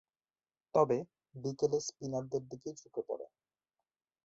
তবে, বিকেলে স্পিনারদের দিকেই ঝুঁকে পড়ে।